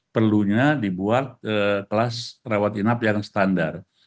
perlunya dibuat kelas rawat inap yang standar